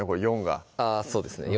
４がそうですね